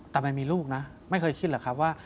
แต่มันมีลูกนะไม่เคยคิดหรอกครับว่า